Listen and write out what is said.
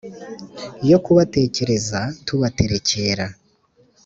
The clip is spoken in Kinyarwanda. yo kubatekereza tubaterekera.